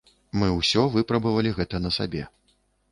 Мы ўсё выпрабавалі гэта на сабе.